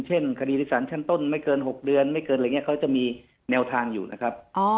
เช่นคดีในสารชั้นต้นไม่เกิน๖เดือนไม่เกินอะไรอย่างนี้เขาจะมีแนวทางอยู่นะครับ